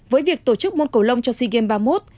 với việc tổ chức môn cầu lông cho sea games ba mươi một